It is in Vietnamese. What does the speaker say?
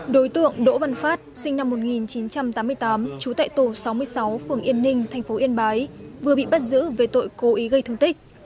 đối tượng đỗ văn phát sinh năm một nghìn chín trăm tám mươi tám trú tại tổ sáu mươi sáu phường yên ninh tp yên bái vừa bị bắt giữ về tội cố ý gây thương tích